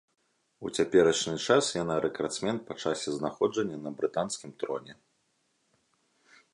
У цяперашні час яна рэкардсмен па часе знаходжання на брытанскім троне.